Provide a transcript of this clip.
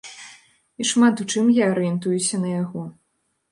І шмат у чым я арыентуюся на яго.